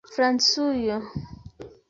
Francujo